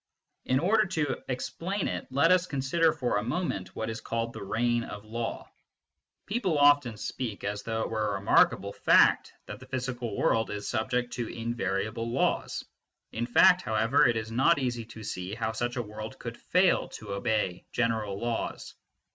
In order to explain it let us consider for a moment what is called thecfSgn oflaw^ People often speak as though it were a remarkable fact that the physical world is subject to invariable laws. In fact, however, it is not easy to see how such a world could & fail to obey general laws.